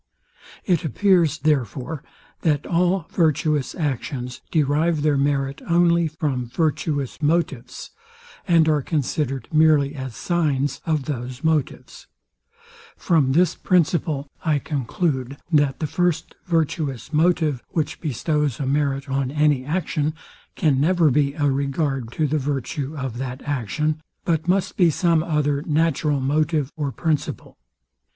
It appears, therefore, that all virtuous actions derive their merit only from virtuous motives, and are considered merely as signs of those motives. From this principle I conclude, that the first virtuous motive, which bestows a merit on any action, can never be a regard to the virtue of that action, but must be some other natural motive or principle.